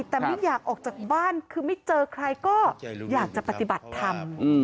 แต่ไม่อยากออกจากบ้านคือไม่เจอใครก็อยากจะปฏิบัติธรรม